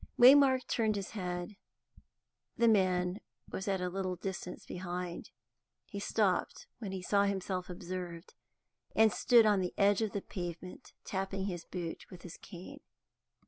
Waymark turned his head; the man was at a little distance behind. He stopped when he saw himself observed, and stood on the edge of the pavement, tapping his boot with his cane.